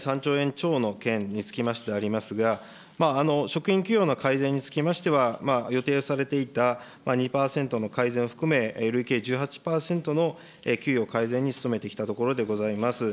超の件につきましてでありますが、職員給与の改善につきましては、予定されていた２％の改善を含め、累計１８％の給与改善に努めてきたところでございます。